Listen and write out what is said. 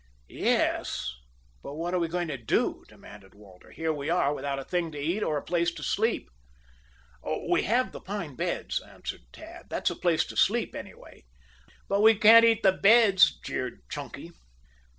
"Yes; but what are we going to do?" demanded Walter. "Here we are, without a thing to eat, or a place to sleep." "We have the pine beds," answered Tad. "That's a place to sleep, anyway." "But we can't eat the beds," jeered Chunky.